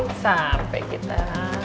oke sampai kita